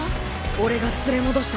俺が連れ戻した。